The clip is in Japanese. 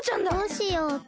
どうしよう。